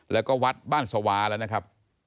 แล้วก็วัดบ้านสวาแล้วนะครับ